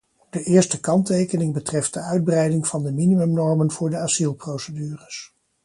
De eerste kanttekening betreft de uitbreiding van de minimumnormen voor de asielprocedures.